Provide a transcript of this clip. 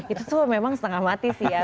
itu tuh memang setengah mati sih